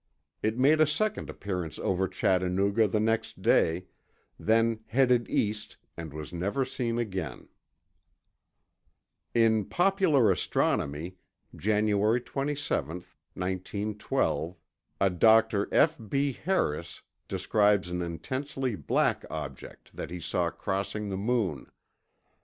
It made a second appearance over Chattanooga the next day, then headed east and was never seen again. In Popular Astronomy, January 27, 1012, a Dr. F. B. Harris described an intensely black object that he saw crossing the moon.